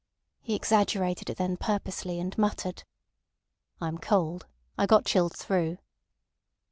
He exaggerated it then purposely, and muttered: "I am cold. I got chilled through."